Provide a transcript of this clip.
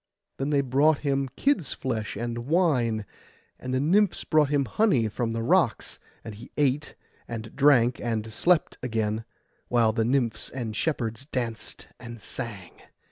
Then they brought him kid's flesh and wine, and the nymphs brought him honey from the rocks, and he ate, and drank, and slept again, while the nymphs and shepherds danced and sang.